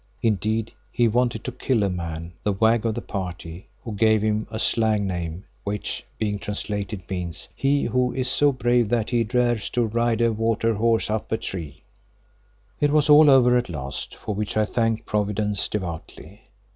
Indeed, he wanted to kill a man, the wag of the party, who gave him a slang name which, being translated, means "He who is so brave that he dares to ride a water horse up a tree. " It was all over at last, for which I thanked Providence devoutly.